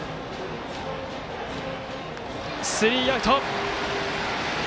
スリーアウト！